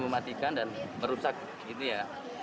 mematikan dan merusak gitu ya